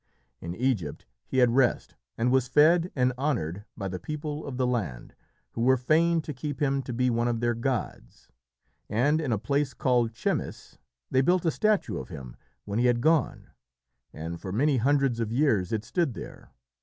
In Egypt he had rest and was fed and honoured by the people of the land, who were fain to keep him to be one of their gods. And in a place called Chemmis they built a statue of him when he had gone, and for many hundreds of years it stood there.